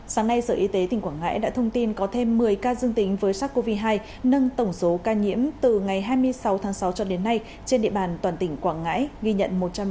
sáng nay sở y tế tỉnh quảng ngãi đã thông tin có thêm một mươi ca dương tính với sars cov hai nâng tổng số ca nhiễm từ ngày hai mươi sáu tháng sáu cho đến nay trên địa bàn toàn tỉnh quảng ngãi ghi nhận một trăm linh ca